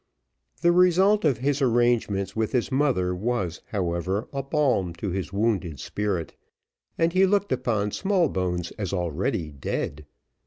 The result of his arrangements with his mother was, however, a balm to his wounded spirit, and he looked upon Smallbones as already dead.